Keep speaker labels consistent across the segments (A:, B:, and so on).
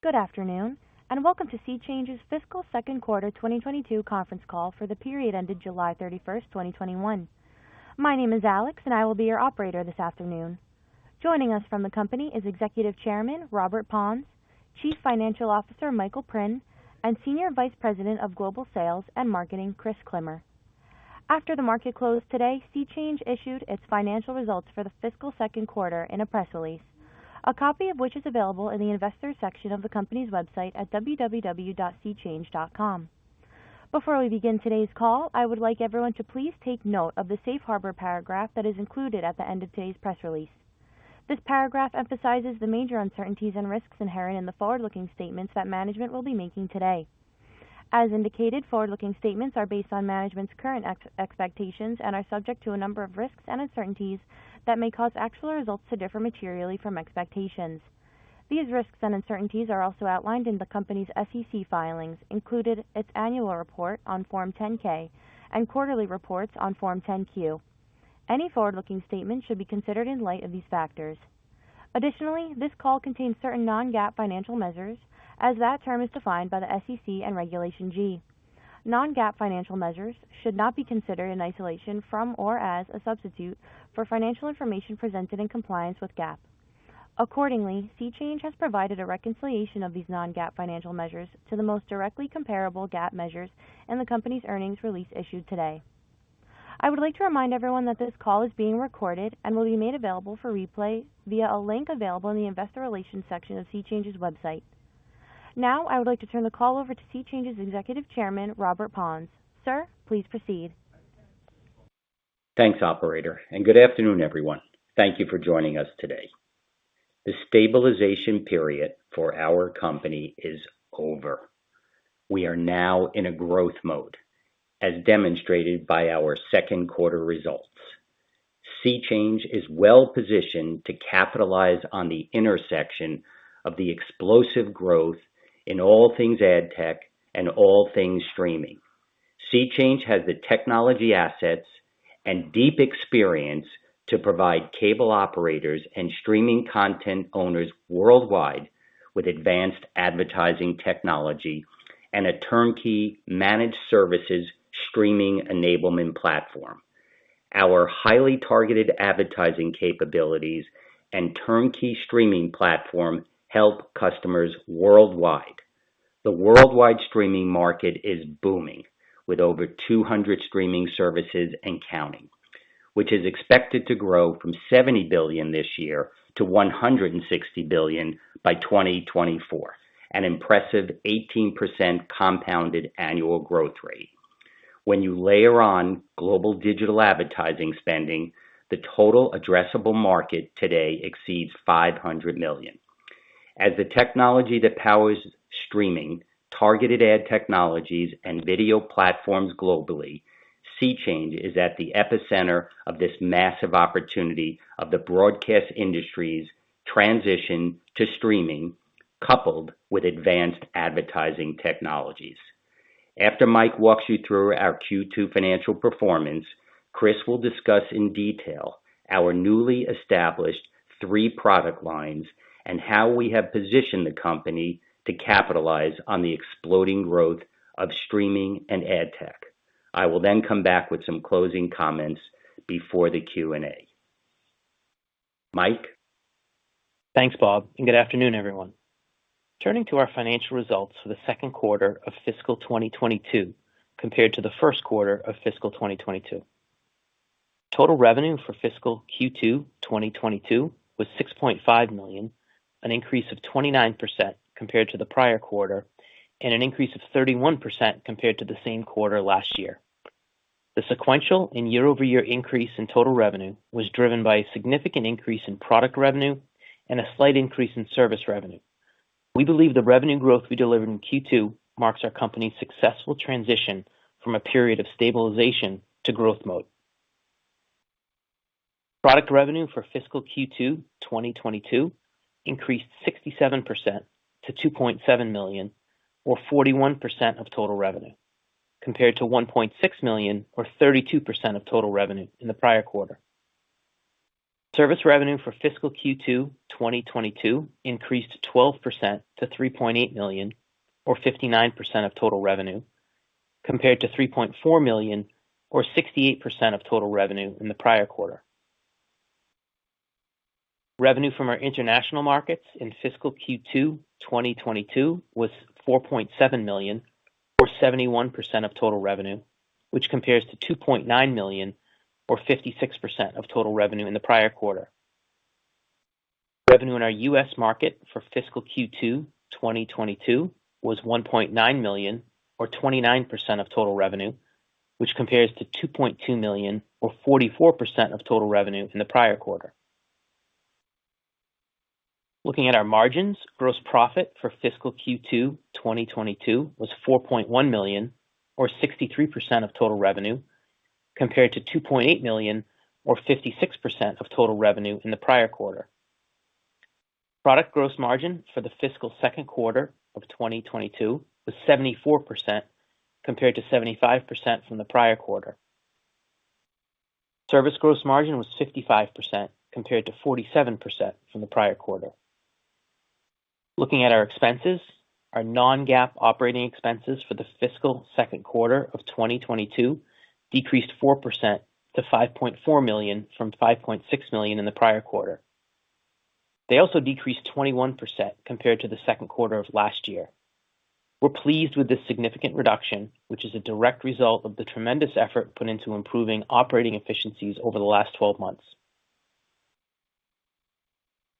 A: Good afternoon, and welcome to SeaChange's fiscal second quarter 2022 conference call for the period ended July 31st, 2021. My name is Alex, and I will be your operator this afternoon. Joining us from the company is Executive Chairman, Robert Pons, Chief Financial Officer, Michael Prinn, and Senior Vice President of Global Sales and Marketing, Chris Klimmer. After the market closed today, SeaChange issued its financial results for the fiscal second quarter in a press release, a copy of which is available in the Investors section of the company's website at www.seachange.com. Before we begin today's call, I would like everyone to please take note of the Safe Harbor paragraph that is included at the end of today's press release. This paragraph emphasizes the major uncertainties and risks inherent in the forward-looking statements that management will be making today. As indicated, forward-looking statements are based on management's current expectations and are subject to a number of risks and uncertainties that may cause actual results to differ materially from expectations. These risks and uncertainties are also outlined in the company's SEC filings, including its annual report on Form 10-K and quarterly reports on Form 10-Q. Any forward-looking statements should be considered in light of these factors. Additionally, this call contains certain non-GAAP financial measures as that term is defined by the SEC and Regulation G. Non-GAAP financial measures should not be considered in isolation from or as a substitute for financial information presented in compliance with GAAP. Accordingly, SeaChange has provided a reconciliation of these non-GAAP financial measures to the most directly comparable GAAP measures in the company's earnings release issued today. I would like to remind everyone that this call is being recorded and will be made available for replay via a link available in the Investor Relations section of SeaChange's website. I would like to turn the call over to SeaChange's Executive Chairman, Robert Pons. Sir, please proceed.
B: Thanks, operator. Good afternoon, everyone. Thank you for joining us today. The stabilization period for our company is over. We are now in a growth mode, as demonstrated by our second-quarter results. SeaChange is well-positioned to capitalize on the intersection of the explosive growth in all things ad tech and all things streaming. SeaChange has the technology assets and deep experience to provide cable operators and streaming content owners worldwide with advanced advertising technology and a turnkey managed services streaming enablement platform. Our highly targeted advertising capabilities and turnkey streaming platform help customers worldwide. The worldwide streaming market is booming, with over 200 streaming services and counting, which is expected to grow from $70 billion this year to $160 billion by 2024, an impressive 18% compounded annual growth rate. When you layer on global digital advertising spending, the total addressable market today exceeds $500 million. As the technology that powers streaming, targeted ad technologies, and video platforms globally, SeaChange is at the epicenter of this massive opportunity of the broadcast industry's transition to streaming coupled with advanced advertising technologies. After Mike walks you through our Q2 financial performance, Chris will discuss in detail our newly established three product lines and how we have positioned the company to capitalize on the exploding growth of streaming and ad tech. I will then come back with some closing comments before the Q&A. Mike?
C: Thanks, Bob. Good afternoon, everyone. Turning to our financial results for the second quarter of fiscal 2022 compared to the first quarter of fiscal 2022. Total revenue for fiscal Q2 2022 was $6.5 million, an increase of 29% compared to the prior quarter and an increase of 31% compared to the same quarter last year. The sequential and year-over-year increase in total revenue was driven by a significant increase in product revenue and a slight increase in service revenue. We believe the revenue growth we delivered in Q2 marks our company's successful transition from a period of stabilization to growth mode. Product revenue for fiscal Q2 2022 increased 67% to $2.7 million or 41% of total revenue, compared to $1.6 million or 32% of total revenue in the prior quarter. Service revenue for fiscal Q2 2022 increased 12% to $3.8 million or 59% of total revenue, compared to $3.4 million or 68% of total revenue in the prior quarter. Revenue from our international markets in fiscal Q2 2022 was $4.7 million or 71% of total revenue, which compares to $2.9 million or 56% of total revenue in the prior quarter. Revenue in our U.S. market for fiscal Q2 2022 was $1.9 million or 29% of total revenue, which compares to $2.2 million or 44% of total revenue in the prior quarter. Looking at our margins, gross profit for fiscal Q2 2022 was $4.1 million or 63% of total revenue, compared to $2.8 million or 56% of total revenue in the prior quarter. Product gross margin for the fiscal second quarter of 2022 was 74%, compared to 75% from the prior quarter. Service gross margin was 55%, compared to 47% from the prior quarter. Looking at our expenses, our non-GAAP operating expenses for the fiscal second quarter of 2022 decreased 4% to $5.4 million, from $5.6 million in the prior quarter. They also decreased 21% compared to the second quarter of last year. We're pleased with this significant reduction, which is a direct result of the tremendous effort put into improving operating efficiencies over the last 12 months.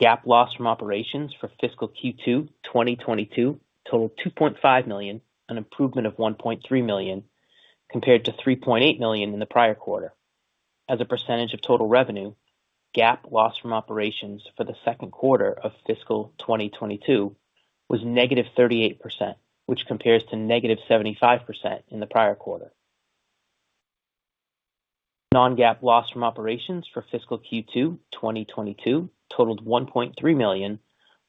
C: GAAP loss from operations for fiscal Q2 2022 totaled $2.5 million, an improvement of $1.3 million, compared to $3.8 million in the prior quarter. As a percentage of total revenue, GAAP loss from operations for the second quarter of fiscal 2022 was -38%, which compares to -75% in the prior quarter. Non-GAAP loss from operations for fiscal Q2 2022 totaled $1.3 million,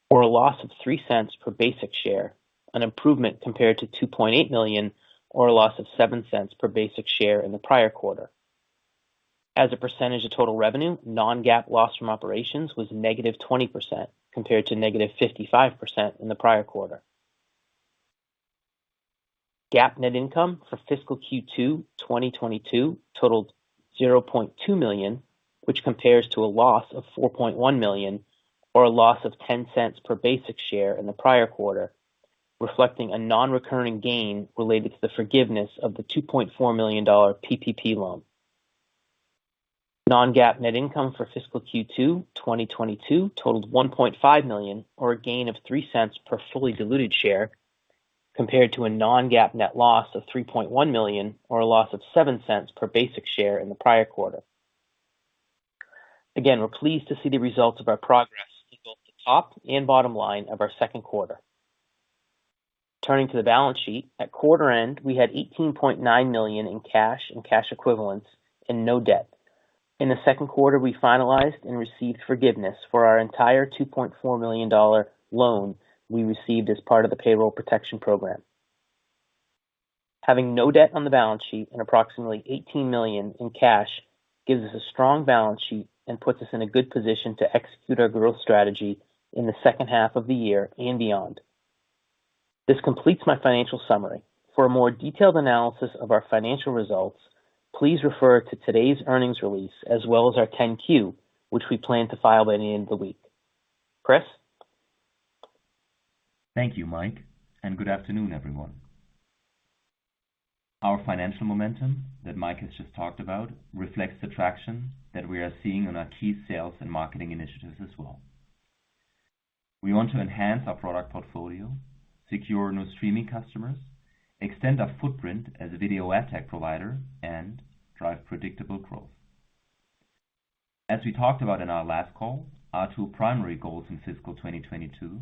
C: or a loss of $0.03 per basic share, an improvement compared to $2.8 million, or a loss of $0.07 per basic share in the prior quarter. As a percentage of total revenue, non-GAAP loss from operations was -20%, compared to -55% in the prior quarter. GAAP net income for fiscal Q2 2022 totaled $0.2 million, which compares to a loss of $4.1 million, or a loss of $0.10 per basic share in the prior quarter, reflecting a non-recurring gain related to the forgiveness of the $2.4 million PPP loan. Non-GAAP net income for fiscal Q2 2022 totaled $1.5 million, or a gain of $0.03 per fully diluted share, compared to a non-GAAP net loss of $3.1 million, or a loss of $0.07 per basic share in the prior quarter. We're pleased to see the results of our progress in both the top and bottom line of our second quarter. Turning to the balance sheet, at quarter end, we had $18.9 million in cash and cash equivalents and no debt. In the second quarter, we finalized and received forgiveness for our entire $2.4 million loan we received as part of the Paycheck Protection Program. Having no debt on the balance sheet and approximately $18 million in cash gives us a strong balance sheet and puts us in a good position to execute our growth strategy in the second half of the year and beyond. This completes my financial summary. For a more detailed analysis of our financial results, please refer to today's earnings release as well as our 10-Q, which we plan to file by the end of the week. Chris?
D: Thank you, Mike. Good afternoon, everyone. Our financial momentum that Mike has just talked about reflects the traction that we are seeing on our key sales and marketing initiatives as well. We want to enhance our product portfolio, secure new streaming customers, extend our footprint as a video ad tech provider, and drive predictable growth. As we talked about in our last call, our two primary goals in fiscal 2022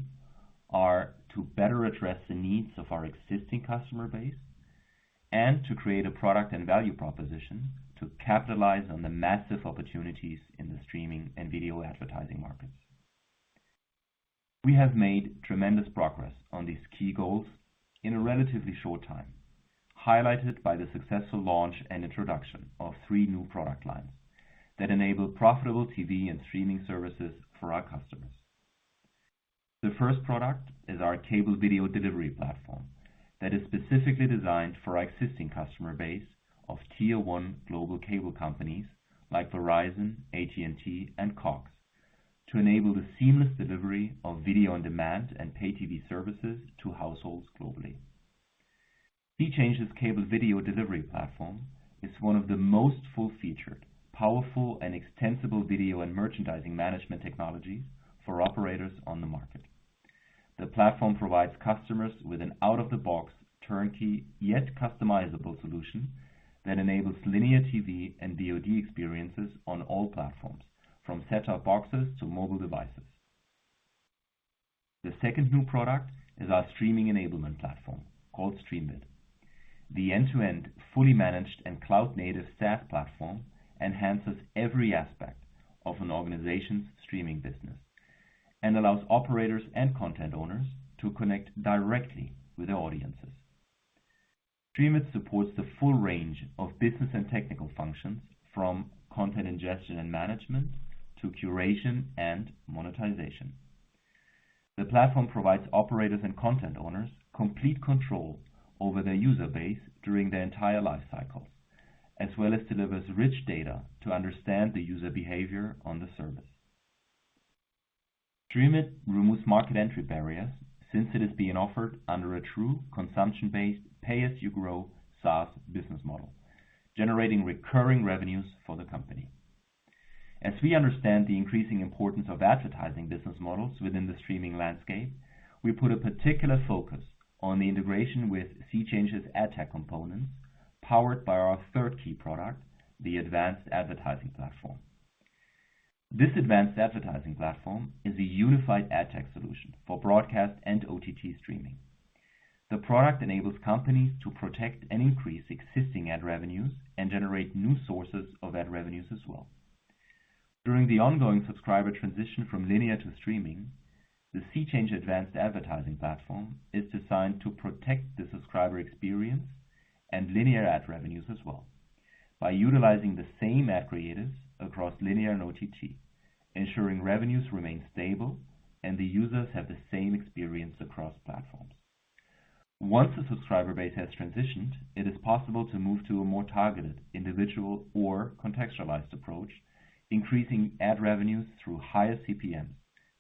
D: are to better address the needs of our existing customer base and to create a product and value proposition to capitalize on the massive opportunities in the streaming and video advertising markets. We have made tremendous progress on these key goals in a relatively short time, highlighted by the successful launch and introduction of three new product lines that enable profitable TV and streaming services for our customers. The first product is our cable video delivery platform that is specifically designed for our existing customer base of Tier 1 global cable companies like Verizon, AT&T, and Cox, to enable the seamless delivery of video on demand and pay TV services to households globally. SeaChange's cable video delivery platform is one of the most full-featured, powerful, and extensible video and merchandising management technologies for operators on the market. The platform provides customers with an out-of-the-box, turnkey, yet customizable solution that enables linear TV and VOD experiences on all platforms, from set-top boxes to mobile devices. The second new product is our streaming enablement platform called StreamVid. The end-to-end, fully managed and cloud-native SaaS platform enhances every aspect of an organization's streaming business and allows operators and content owners to connect directly with their audiences. StreamVid supports the full range of business and technical functions from content ingestion and management to curation and monetization. The platform provides operators and content owners complete control over their user base during their entire life cycle, as well as delivers rich data to understand the user behavior on the service. StreamVid removes market entry barriers since it is being offered under a true consumption-based pay-as-you-grow SaaS business model, generating recurring revenues for the company. As we understand the increasing importance of advertising business models within the streaming landscape, we put a particular focus on the integration with SeaChange's ad tech components powered by our third key product, the Advanced Advertising Platform. This Advanced Advertising Platform is a unified ad tech solution for broadcast and OTT streaming. The product enables companies to protect and increase existing ad revenues and generate new sources of ad revenues as well. During the ongoing subscriber transition from linear to streaming, the SeaChange Advanced Advertising Platform is designed to protect the subscriber experience and linear ad revenues as well by utilizing the same ad creatives across linear and OTT, ensuring revenues remain stable and the users have the same experience across platforms. Once the subscriber base has transitioned, it is possible to move to a more targeted individual or contextualized approach, increasing ad revenues through higher CPM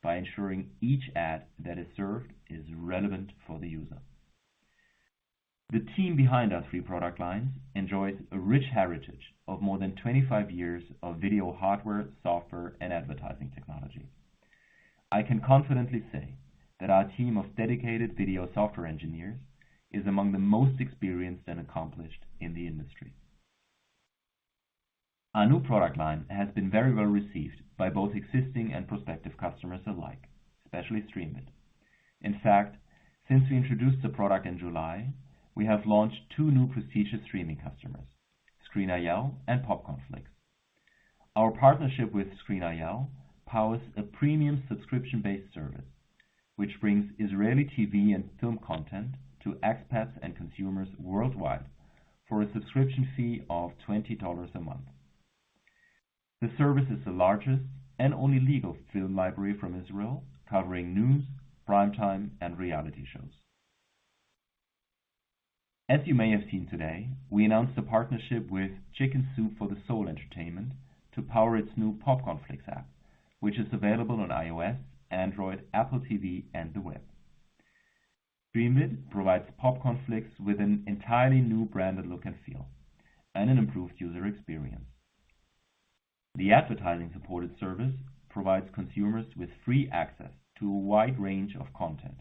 D: by ensuring each ad that is served is relevant for the user. The team behind our three product lines enjoys a rich heritage of more than 25 years of video hardware, software, and advertising technology. I can confidently say that our team of dedicated video software engineers is among the most experienced and accomplished in the industry. Our new product line has been very well received by both existing and prospective customers alike, especially StreamVid. In fact, since we introduced the product in July, we have launched two new prestigious streaming customers, Screen iL and Popcornflix. Our partnership with Screen iL powers a premium subscription-based service, which brings Israeli TV and film content to expats and consumers worldwide for a subscription fee of $20 a month. The service is the largest and only legal film library from Israel, covering news, primetime, and reality shows. As you may have seen today, we announced a partnership with Chicken Soup for the Soul Entertainment to power its new Popcornflix app, which is available on iOS, Android, Apple TV, and the web. StreamVid provides Popcornflix with an entirely new branded look and feel and an improved user experience. The advertising-supported service provides consumers with free access to a wide range of content,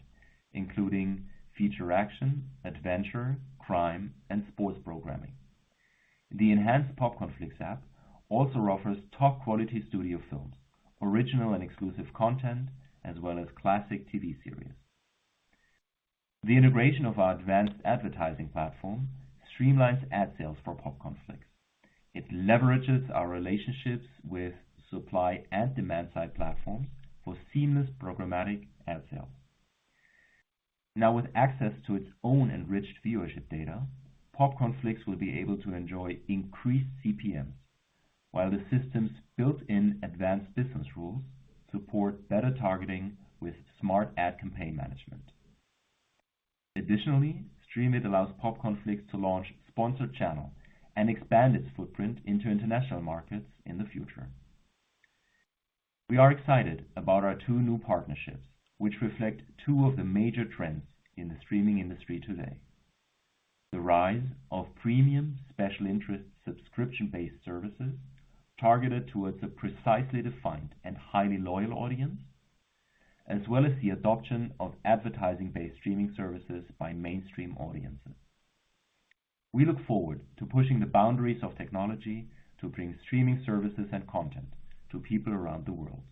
D: including feature action, adventure, crime, and sports programming. The enhanced Popcornflix app also offers top-quality studio films, original and exclusive content, as well as classic TV series. The integration of our Advanced Advertising Platform streamlines ad sales for Popcornflix. It leverages our relationships with supply and demand-side platforms for seamless programmatic ad sales. Now with access to its own enriched viewership data, Popcornflix will be able to enjoy increased CPM, while the system's built-in advanced business rules support better targeting with smart ad campaign management. Additionally, StreamVid allows Popcornflix to launch sponsored channel and expand its footprint into international markets in the future. We are excited about our two new partnerships, which reflect two of the major trends in the streaming industry today. The rise of premium special interest subscription-based services targeted towards a precisely defined and highly loyal audience, as well as the adoption of advertising-based streaming services by mainstream audiences. We look forward to pushing the boundaries of technology to bring streaming services and content to people around the world.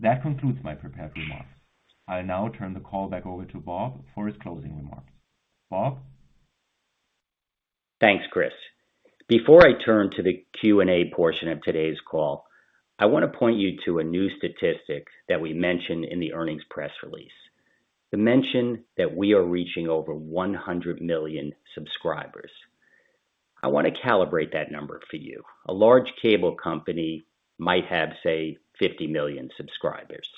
D: That concludes my prepared remarks. I now turn the call back over to Bob for his closing remarks. Bob?
B: Thanks, Chris. Before I turn to the Q&A portion of today's call, I want to point you to a new statistic that we mentioned in the earnings press release. The mention that we are reaching over 100 million subscribers. I want to calibrate that number for you. A large cable company might have, say, 50 million subscribers.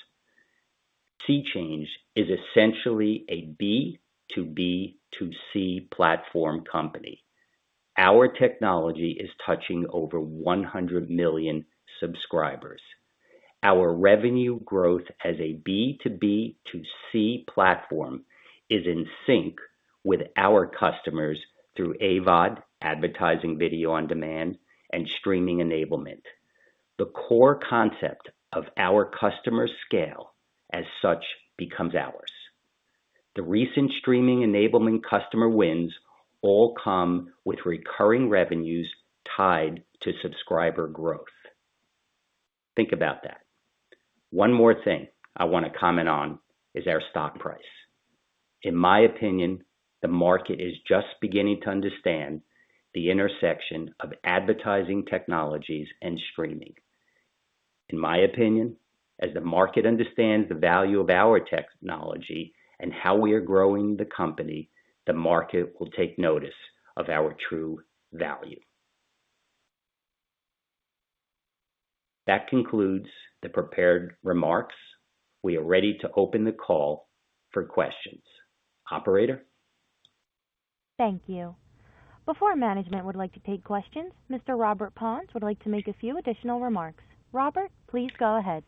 B: SeaChange is essentially a B2B2C platform company. Our technology is touching over 100 million subscribers. Our revenue growth as a B2B2C platform is in sync with our customers through AVOD, advertising video on demand, and streaming enablement. The core concept of our customers' scale as such becomes ours. The recent streaming enablement customer wins all come with recurring revenues tied to subscriber growth. Think about that. One more thing I want to comment on is our stock price. In my opinion, the market is just beginning to understand the intersection of advertising technologies and streaming. In my opinion, as the market understands the value of our technology and how we are growing the company, the market will take notice of our true value. That concludes the prepared remarks. We are ready to open the call for questions. Operator?
A: Thank you. Before management would like to take questions, Mr. Robert Pons would like to make a few additional remarks. Robert, please go ahead.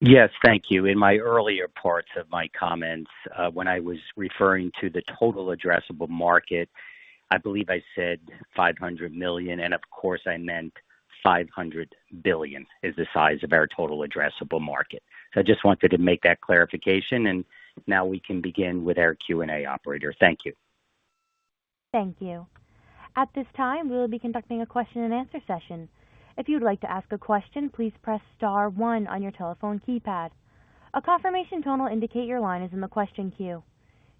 B: Yes, thank you. In my earlier parts of my comments, when I was referring to the total addressable market, I believe I said $500 million, and of course I meant $500 billion is the size of our total addressable market. I just wanted to make that clarification, and now we can begin with our Q&A, operator. Thank you.
A: Thank you. At this time, we will be conducting a question-and-answer session. If you would like to ask a question, please press star one on your telephone keypad. A confirmation tone will indicate your line is in the question queue.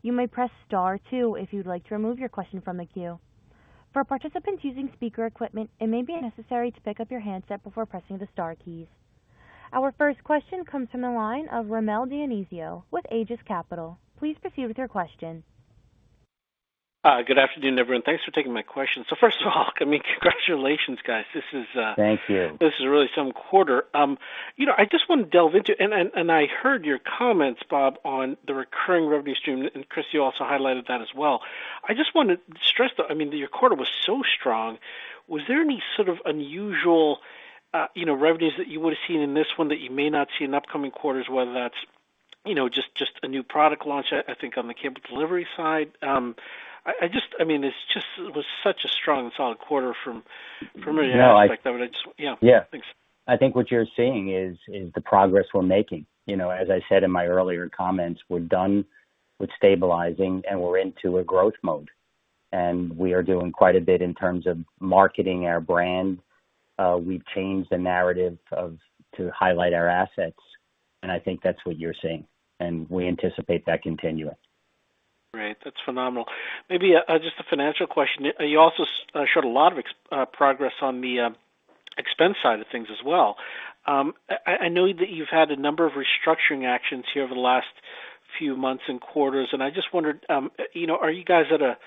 A: You may press star two if you would like to remove your question from the queue. For participants using speaker equipment, it may be necessary to pick up your handset before pressing the star keys. Our first question comes from the line of Rommel Dionisio with Aegis Capital. Please proceed with your question.
E: Good afternoon, everyone. Thanks for taking my question. First of all, congratulations, guys.
B: Thank you.
E: This is really some quarter. I just want to delve into. I heard your comments, Bob, on the recurring revenue stream. Chris, you also highlighted that as well. I just want to stress that. Your quarter was so strong. Was there any sort of unusual revenues that you would've seen in this one that you may not see in upcoming quarters, whether that's just a new product launch, I think on the cable delivery side? It just was such a strong, solid quarter from an analysis side. Yeah. Thanks.
B: Yeah. I think what you're seeing is the progress we're making. As I said in my earlier comments, we're done with stabilizing, and we're into a growth mode. We are doing quite a bit in terms of marketing our brand. We've changed the narrative to highlight our assets, and I think that's what you're seeing, and we anticipate that continuing.
E: Great. That's phenomenal. Maybe just a financial question. You also showed a lot of progress on the expense side of things as well. I know that you've had a number of restructuring actions here over the last few months and quarters. I just wondered, are you guys at a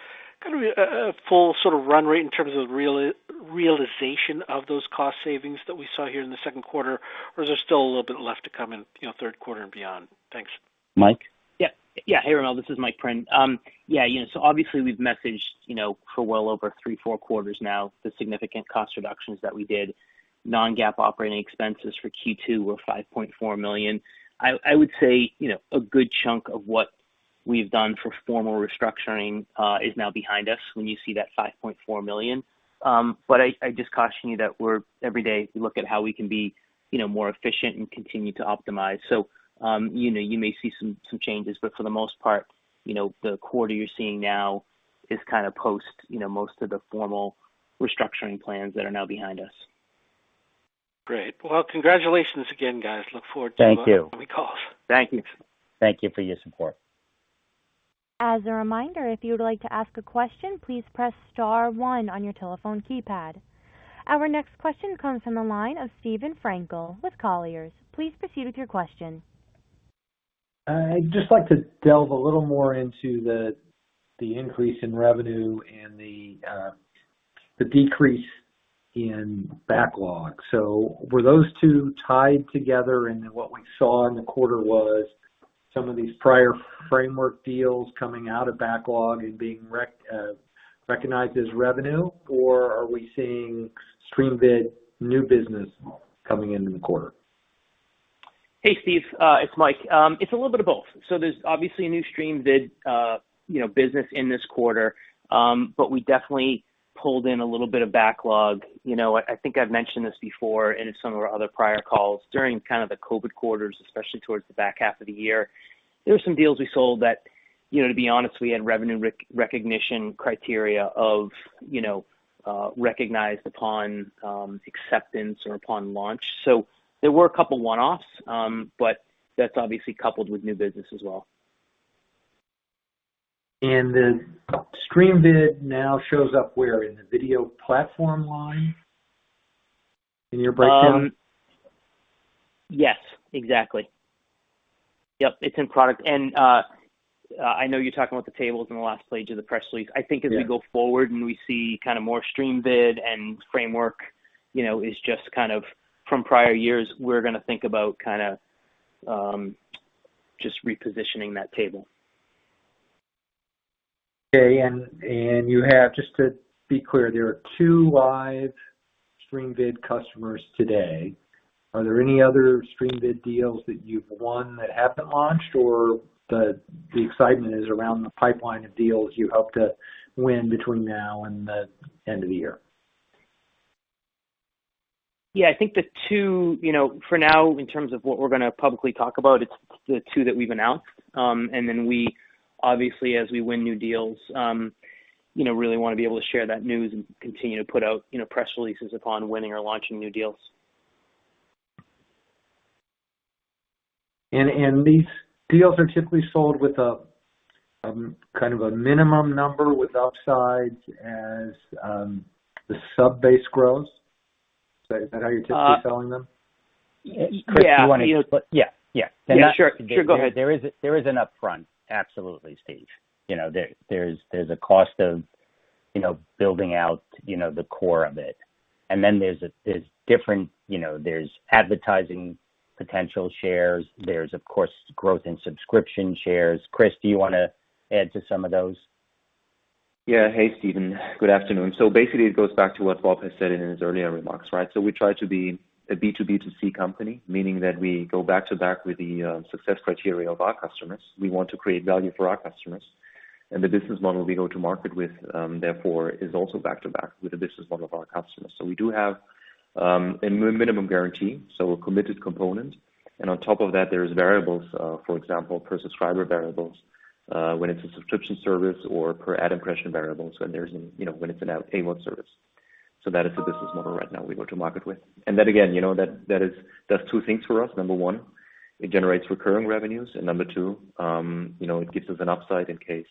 E: full sort of run rate in terms of realization of those cost savings that we saw here in the second quarter, or is there still a little bit left to come in third quarter and beyond? Thanks.
B: Mike?
C: Hey, Rommel. This is Michael Prinn. Obviously we've messaged for well over three, four quarters now, the significant cost reductions that we did. non-GAAP operating expenses for Q2 were $5.4 million. I would say, a good chunk of what we've done for formal restructuring is now behind us when you see that $5.4 million. I just caution you that every day we look at how we can be more efficient and continue to optimize. You may see some changes, but for the most part, the quarter you're seeing now is kind of post most of the formal restructuring plans that are now behind us.
E: Great. Well, congratulations again, guys. Look forward to-
B: Thank you.
E: -our monthly calls.
B: Thank you. Thank you for your support.
A: As a reminder, if you would like to ask a question, please press star one on your telephone keypad. Our next question comes from the line of Steven Frankel with Colliers. Please proceed with your question.
F: I'd just like to delve a little more into the increase in revenue and the decrease in backlog. Were those two tied together and then what we saw in the quarter was some of these prior Framework deals coming out of backlog and being recognized as revenue? Are we seeing StreamVid new business coming into the quarter?
C: Hey, Steve. It's Mike. It's a little bit of both. There's obviously a new StreamVid business in this quarter. We definitely pulled in a little bit of backlog. I think I've mentioned this before in some of our other prior calls. During kind of the COVID quarters, especially towards the back half of the year, there were some deals we sold that, to be honest, we had revenue recognition criteria of recognized upon acceptance or upon launch. There were a couple one-offs. That's obviously coupled with new business as well.
F: StreamVid now shows up where? In the video platform line in your breakdown?
C: Yes, exactly. Yep, it's in product. I know you're talking about the tables in the last page of the press release.
F: Yeah.
C: I think as we go forward and we see more StreamVid and Framework, is just kind of from prior years, we're gonna think about just repositioning that table.
F: Okay. You have, just to be clear, there are two live StreamVid customers today. Are there any other StreamVid deals that you've won that haven't launched, or the excitement is around the pipeline of deals you hope to win between now and the end of the year?
C: Yeah, I think the two, for now, in terms of what we're gonna publicly talk about, it's the two that we've announced. We obviously, as we win new deals, really want to be able to share that news and continue to put out press releases upon winning or launching new deals.
F: These deals are typically sold with a kind of a minimum number with upsides as the sub-base grows? Is that how you're typically selling them?
C: Yeah.
B: Chris, Yeah.
C: Yeah. Sure. Go ahead.
B: There is an upfront. Absolutely, Steve. There's a cost of building out the core of it. There's different advertising potential shares. There's, of course, growth in subscription shares. Chris, do you want to add to some of those?
D: Hey, Steven. Good afternoon. Basically, it goes back to what Bob has said in his earlier remarks, right? We try to be a B2B2C company, meaning that we go back-to-back with the success criteria of our customers. We want to create value for our customers. The business model we go to market with, therefore, is also back-to-back with the business model of our customers. We do have a minimum guarantee, so a committed component. On top of that, there's variables, for example, per-subscriber variables, when it's a subscription service or per-ad impression variables when it's an AVOD service. That is the business model right now we go to market with. Again, that does two things for us. Number 1, it generates recurring revenues, and number 2, it gives us an upside in case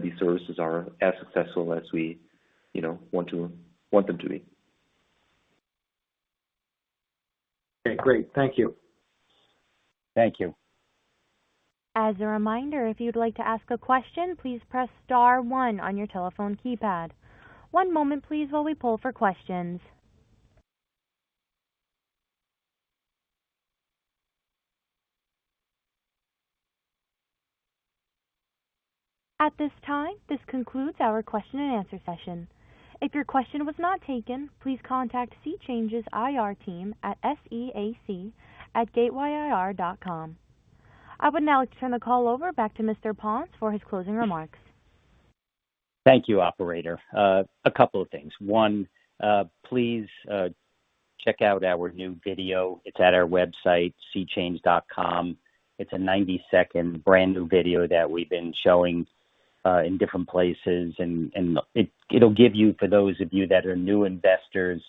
D: these services are as successful as we want them to be.
F: Okay, great. Thank you.
B: Thank you.
A: As a reminder, if you'd like to ask a question, please press star one on your telephone keypad. One moment please while we poll for questions. At this time, this concludes our question and answer session. If your question was not taken, please contact SeaChange's IR team at seac@gatewayir.com. I would now like to turn the call over back to Mr. Pons for his closing remarks.
B: Thank you, operator. A couple of things. One, please check out our new video. It's at our website, seachange.com. It's a 90-second brand new video that we've been showing in different places, and it'll give you, for those of you that are new investors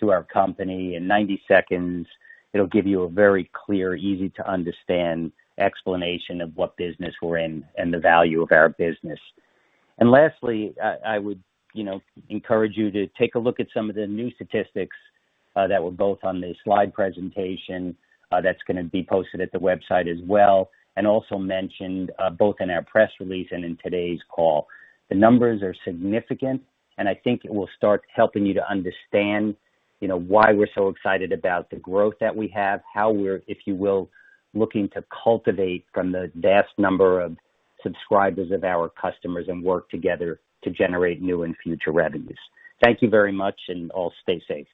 B: to our company, in 90 seconds, it'll give you a very clear, easy-to-understand explanation of what business we're in and the value of our business. Lastly, I would encourage you to take a look at some of the new statistics that were both on the slide presentation that's going to be posted at the website as well, and also mentioned both in our press release and in today's call. The numbers are significant. I think it will start helping you to understand why we're so excited about the growth that we have, how we're, if you will, looking to cultivate from the vast number of subscribers of our customers and work together to generate new and future revenues. Thank you very much. All stay safe.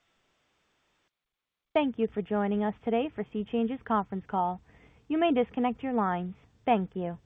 A: Thank you for joining us today for SeaChange's conference call. You may disconnect your lines. Thank you.